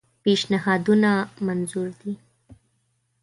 پېشنهادونه منظور دي.